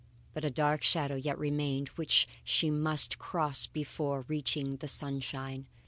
But a black shadow yet remained which she must cross before reaching the sunshine!